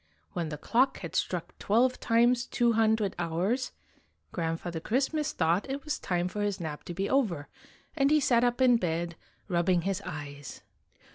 When the clock had struck twelve times two hundred hours, Grandfather Christ mas thought it was time for his nap to be over, and he sat up in bed, rubbing his eyes.